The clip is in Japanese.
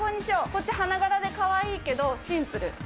こっち花柄でかわいいけど、シンプル。